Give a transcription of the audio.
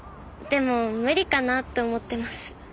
でも無理かなって思ってます。